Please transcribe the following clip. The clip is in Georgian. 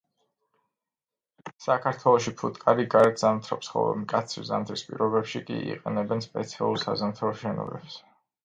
საქართველოში ფუტკარი გარეთ ზამთრობს, ხოლო მკაცრი ზამთრის პირობებში კი იყენებენ სპეციალურ საზამთრო შენობებს.